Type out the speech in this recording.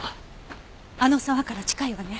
あの沢から近いわね。